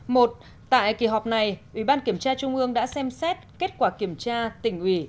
một tại kỳ họp này ủy ban kiểm tra trung ương đã xem xét kết quả kiểm tra tỉnh ủy